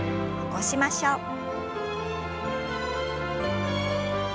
起こしましょう。